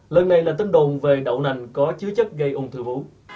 lần này là tính đồn về đậu nành có chứa chất gây ung thư vũ